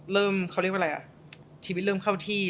เขาเรียกว่าอะไรอ่ะชีวิตเริ่มเข้าที่